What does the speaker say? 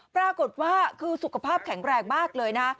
ปรากฏว่าคือสุขภาพแข็งแรงมากเลยนะ